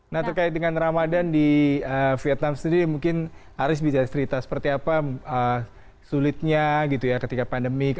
nah terkait dengan ramadan di vietnam sendiri mungkin aris bisa cerita seperti apa sulitnya gitu ya ketika pandemik